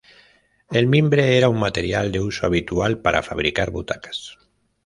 El mimbre era un material de uso habitual para fabricar butacas.